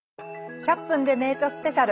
「１００分ｄｅ名著スペシャル」。